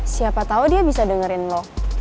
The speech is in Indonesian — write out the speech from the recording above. siapa tau dia bisa dengerin lo